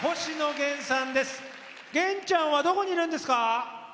源ちゃんはどこにいるんですか？